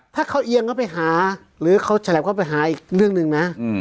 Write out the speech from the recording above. ถ้าเขาเอียงเขาไปหาหรือเขาฉลับเข้าไปหาอีกเรื่องหนึ่งนะ